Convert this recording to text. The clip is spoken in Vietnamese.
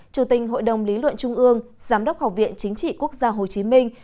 chủ tình hội đồng lý luận trung ương giám đốc học viện chính trị quốc gia hồ chí minh